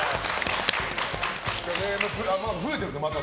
何か増えてるね、また。